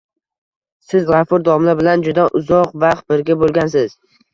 Siz G‘afur domla bilan juda uzoq vaqt birga bo‘lgansiz